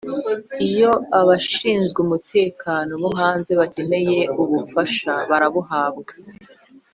Iyo abashinzwe umutekano bo hanze bakeneye ubufasha barabuhabwa